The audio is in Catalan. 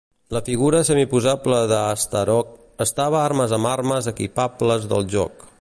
La figura semiposable de Astaroth estava armes amb armes equipables del joc.